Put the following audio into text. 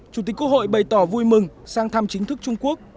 chủ tịch quốc hội bày tỏ vui mừng sang thăm chính thức trung quốc